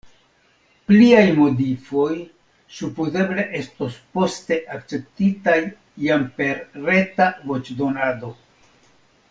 Pliaj modifoj supozeble estos poste akceptitaj jam per reta voĉdonado.